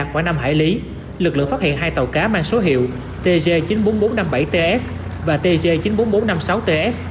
khoảng năm hải lý lực lượng phát hiện hai tàu cá mang số hiệu tg chín mươi bốn nghìn bốn trăm năm mươi bảy ts và tg chín mươi bốn nghìn bốn trăm năm mươi sáu ts